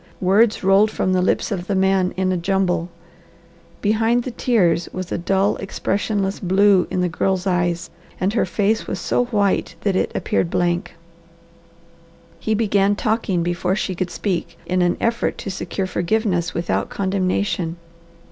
Words rolled from the lips of the man in a jumble. Behind the tears there was a dull, expressionless blue in the girl's eyes and her face was so white that it appeared blank. He began talking before she could speak, in an effort to secure forgiveness without condemnation.